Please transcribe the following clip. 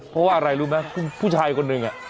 เพราะว่าอะไรรู้ไหมผู้ชายคนหนึ่ง